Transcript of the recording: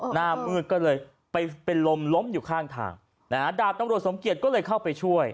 หน้ามืดก็เลยไปเป็นลมล้มอยู่ข้างทางนะฮะดาบตำรวจสมเกียจก็เลยเข้าไปช่วย